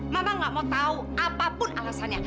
mama gak mau tahu apapun alasannya